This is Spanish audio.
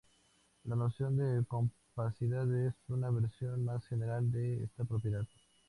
La noción de compacidad es una versión más general de esta propiedad.